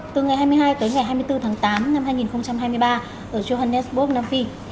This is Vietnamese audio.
từ ngày hai mươi hai tới ngày hai mươi bốn tháng tám năm hai nghìn hai mươi ba ở johannesbook nam phi